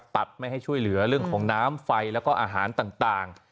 ไม่ให้ช่วยเหลือเรื่องของน้ำไฟแล้วก็อาหารต่าง